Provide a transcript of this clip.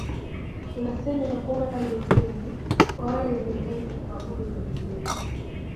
kuna sehemu ya kuomba mizimu kwa wale wenye imani za kuabudu mizimu